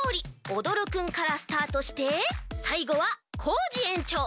おどるくんからスタートしてさいごはコージえんちょう。